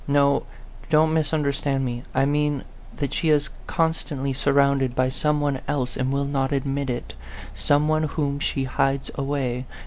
No don't misunderstand me I mean that she is constantly surrounded by some one else and will not admit it some one whom she hides away.